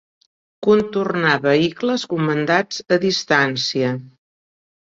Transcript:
Contornar vehicles comandats a distància.